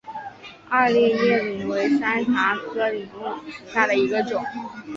二列叶柃为山茶科柃木属下的一个种。